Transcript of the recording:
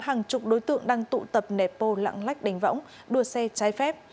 và chục đối tượng đang tụ tập nẹp bồ lặng lách đánh võng đua xe trái phép